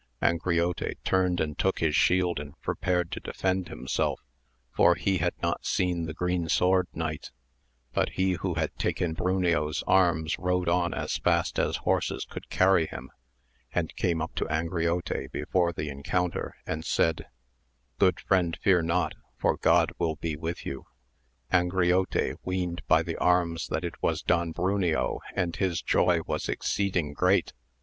Angriote turned and took his shield and prepared to defend himself, for he had not seen the Green Sword Knight ; but he who had taken Bruneo's arms rode on as fast as horse could carry him, and came up to Angriote before [the encounter and said, good friend, fear not, for God will be with you ! Angriote weened by the arms that it was Don Bruneo and his joy was exceeding great.